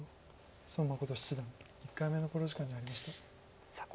孫七段１回目の考慮時間に入りました。